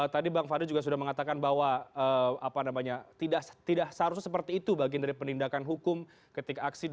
tadi bang fadlizon juga sudah mengatakan bahwa apa namanya tidak tidak seharusnya seperti itu bagian dari penindakan hukum ketika aksi dua puluh dua mei